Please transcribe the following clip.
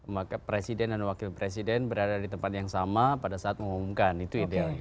maka presiden dan wakil presiden berada di tempat yang sama pada saat mengumumkan itu idealnya